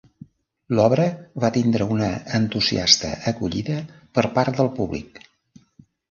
L'obra va tindre una entusiasta acollida per part del públic.